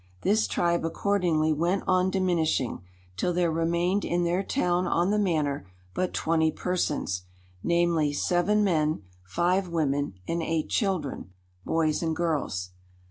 This tribe accordingly went on diminishing, till there remained in their town on the manor but twenty persons, namely, seven men, five women, and eight children, boys and girls.